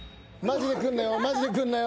マジで来んなよ